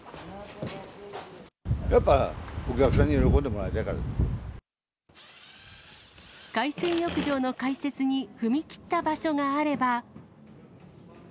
やっぱお客さんに喜んでもら海水浴場の開設に踏み切った場所があれば。